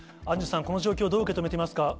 アンジュさん、この状況、どう受け止めていますか。